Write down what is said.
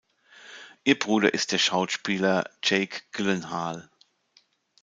Ihr Bruder ist der Schauspieler Jake Gyllenhaal.